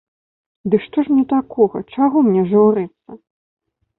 Ды што ж мне такога, чаго мне журыцца?